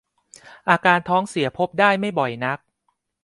อาการท้องเสียพบได้ไม่บ่อยนัก